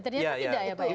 ternyata tidak ya pak